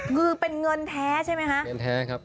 งือเป็นเงินแท้ใช่ไหมคะ